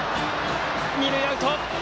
二塁アウト！